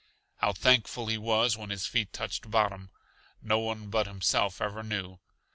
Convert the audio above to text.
How thankful he was when his feet touched bottom, no one but himself ever knew!